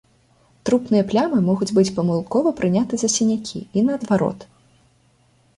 Трупныя плямы могуць быць памылкова прыняты за сінякі, і наадварот.